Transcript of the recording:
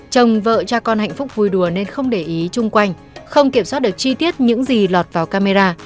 chồng vợ cha con hạnh phúc vui đùa nên không để ý chung quanh không kiểm soát được chi tiết những gì lọt vào camera